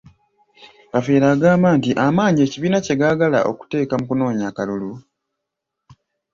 Kafeero agamba nti amaanyi ekibiina kye gaagala okuteeka mu kunoonya akalulu.